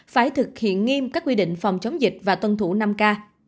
phải thực hiện nghiêm các quy định phòng chống dịch và tuân thủ năm k